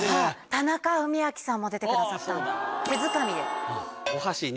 田中史朗さんも出てくださったんだ。